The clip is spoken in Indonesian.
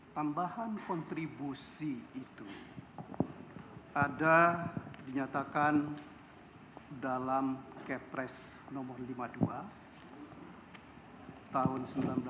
tambahan kontribusi itu ada dinyatakan dalam kepres nomor lima puluh dua tahun seribu sembilan ratus sembilan puluh